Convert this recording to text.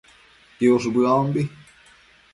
piush bëombi